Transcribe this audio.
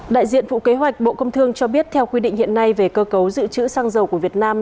đại diện vụ kế hoạch bộ công thương cho biết theo quy định hiện nay về cơ cấu dự trữ xăng dầu của việt nam